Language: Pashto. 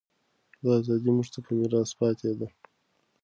دا ازادي موږ ته په میراث پاتې ده.